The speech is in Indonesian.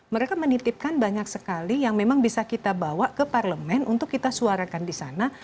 mereka menitipkan banyak sekali yang memang bisa kita bawa ke parlemen untuk kita suarakan di sana